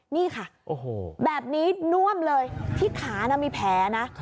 นี่ค่ะแบบนี้น่วมเลยที่ขามีแผลนะ